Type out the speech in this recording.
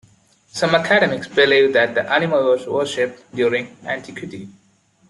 Some academics believe that the animal was worshiped during antiquity.